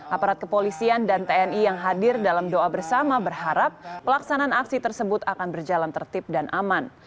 aparat kepolisian dan tni yang hadir dalam doa bersama berharap pelaksanaan aksi tersebut akan berjalan tertib dan aman